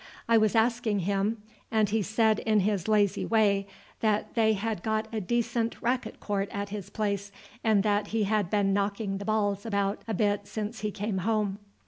I was asking him, and he said in his lazy way that they had got a decent racket court at his place, and that he had been knocking the balls about a bit since he came home."